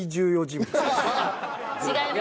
違います。